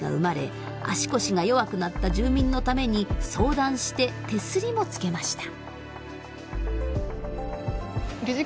足腰が弱くなった住民のために相談して手すりもつけました。